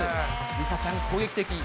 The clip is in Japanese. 梨紗ちゃん、攻撃的。